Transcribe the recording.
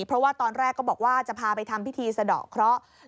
เพราะว่าตอนแรกก็บอกว่าจะพาไปทำพิธีสะดอกเคราะห์